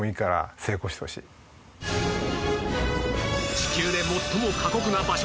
地球で最も過酷な場所